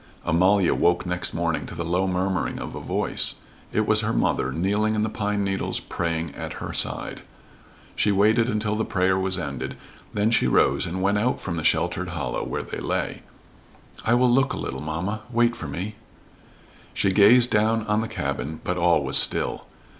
Amalia woke next morning to the low murmuring of a voice. It was her mother, kneeling in the pine needles, praying at her side. She waited until the prayer was ended, then she rose and went out from the sheltered hollow where they lay. "I will look a little, mamma. Wait for me." She gazed down on the cabin, but all was still.